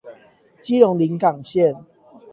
基隆臨港線